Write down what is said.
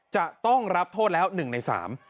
จะต้องรับโทษแล้ว๑ใน๓